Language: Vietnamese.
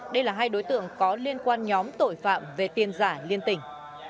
đây là hai đối tượng có liên quan nhóm tội phạm về tiền giả liên tỉnh